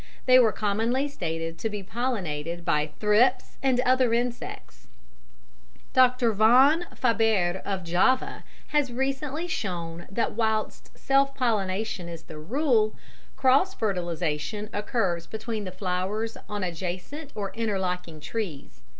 They were commonly stated to be pollinated by thrips and other insects. Dr. von Faber of Java has recently shown that whilst self pollination is the rule, cross fertilisation occurs between the flowers on adjacent or interlocking trees.